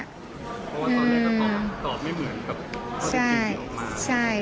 ตอนนี้ก็ตอบไม่เหมือนครับ